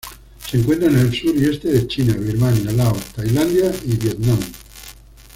Se encuentra en el sur y este de China, Birmania, Laos, Tailandia y Vietnam.